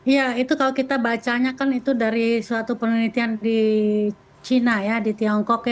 ya itu kalau kita bacanya kan itu dari suatu penelitian di china ya di tiongkok ya